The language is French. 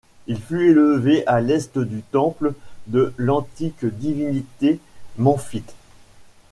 Il fut élevé à l'est du temple de l'antique divinité memphite.